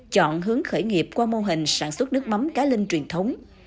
chọn hướng khởi nghiệp qua mô hình sản xuất nước mắm cá linh truyền thống